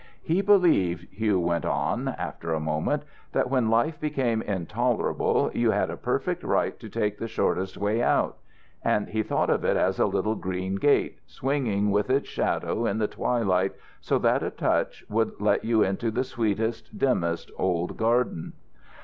"He believed," Hugh went on, after a moment, "that when life became intolerable you had a perfect right to take the shortest way out. And he thought of it as a little green gate, swinging with its shadow in the twilight so that a touch would let you into the sweetest, dimmest old garden."